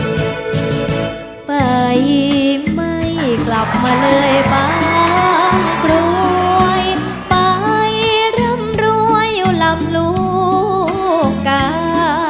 ไปไม่กลับมาเลยบางกรวยไปร่ำรวยอยู่ลำลูกกา